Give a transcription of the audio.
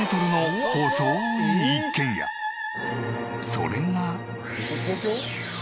それが。